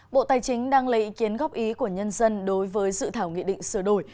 bộ tài chính đang lấy ý kiến góp ý của nhân dân đối với dự thảo nghị định sửa đổi